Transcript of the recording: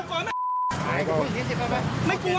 เขียนใบมาไม่เขียว